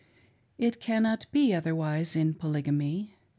It cannot be otherwise in Polygamy.